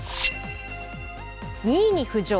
２位に浮上。